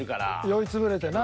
酔い潰れてな。